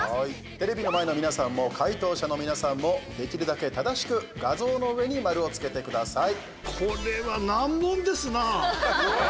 テレビの前の皆さんも解答者の皆さんもできるだけ正しく画像の上に丸をつけてください。